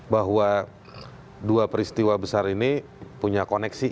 bahwa dua peristiwa besar ini punya koneksi